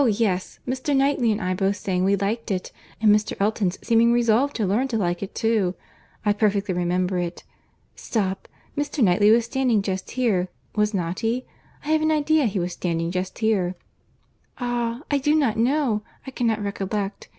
yes—Mr. Knightley and I both saying we liked it, and Mr. Elton's seeming resolved to learn to like it too. I perfectly remember it.—Stop; Mr. Knightley was standing just here, was not he? I have an idea he was standing just here." "Ah! I do not know. I cannot recollect.